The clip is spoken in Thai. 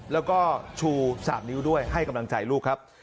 แล้วก็ชู๓นิ้วด้วยให้กำลังใจลูกครับ